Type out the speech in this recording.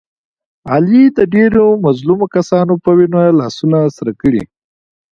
علي د ډېرو مظلومو کسانو په وینو لاسونه سره کړي.